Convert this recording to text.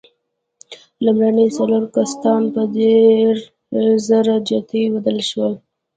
لومړني څلور کاستان په درېزره جتي بدل شول.